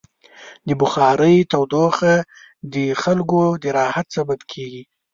د بخارۍ تودوخه د خلکو د راحت سبب کېږي.